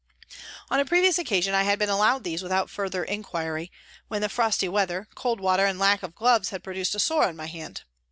On a previous occasion I had been allowed these without further inquiry, when the frosty weather, cold water, and lack of gloves had pro duced a sore on my hand.